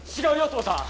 父さん。